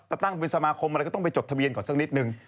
ตั้งเป็นสมาคมอะไรก็ต้องไปจดทะเบียนก่อนสักนิดนึง